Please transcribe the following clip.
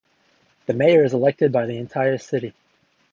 The mayor is elected by the entire city.